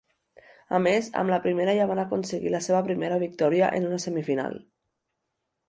A més, amb la primera ja van aconseguir la seva primera victòria en una semifinal.